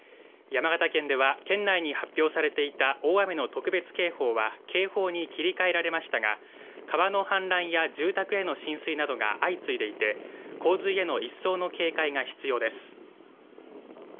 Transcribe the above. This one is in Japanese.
山形県では県内に発表されていた大雨の特別警報は警報に切り替えられましたが川の氾濫や住宅への浸水などが相次いでいて洪水への一層の警戒が必要です。